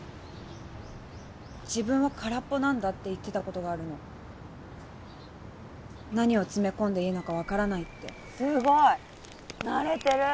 自分は空っぽなんだって言ってたことがあるの何を詰め込んでいいのか分からないってすごい慣れてる